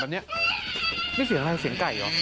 นี่เสียงอะไรเสียงไก่เหรอ